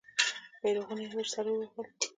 بیرغونه ورسره وهل.